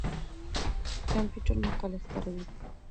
کمپيوټر مقالې خپروي.